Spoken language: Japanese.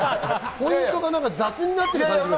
ポイントが雑になってる。